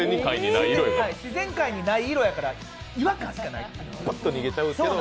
自然界にない色やから、違和感しかない。